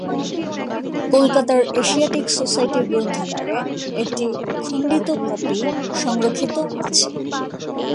কলকাতার এশিয়াটিক সোসাইটির গ্রন্থাগারে একটি খণ্ডিত কপি সংরক্ষিত আছে।